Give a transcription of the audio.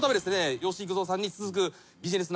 吉幾三さんに続くビジネス